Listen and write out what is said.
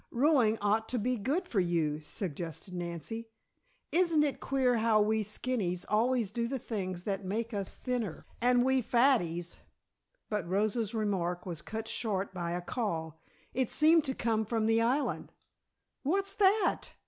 "Rowing ought to be good for you," suggested Nancy. "Isn't it queer how we skinnies always do the things that make us thinner?" "And we fatties " But Rosa's remark was cut short by a call; it seemed to come from the island. "What's that!"